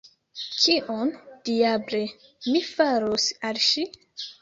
Kion, diable, mi farus al ŝi?